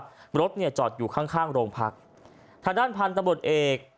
ว่ารถเนี่ยจอดอยู่ข้างโรงพลักษณ์ทางด้านพันธุ์ตำรวจเอก